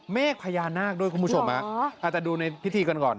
เมฆพญานาคด้วยคุณผู้ชมอาจจะดูในพิธีกันก่อน